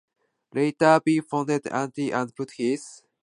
Later he founded Anti- and put his energy into the label.